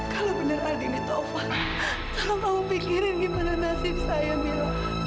kalau benar ada ini taufan tolong kamu pikirin gimana nasib saya mila